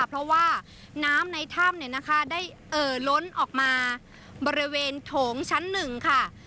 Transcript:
เพราะว่าน้ำในถ้ำเนี่ยนะคะได้เอ่อล้นออกมาบริเวณโถงชั้นหนึ่งค่ะ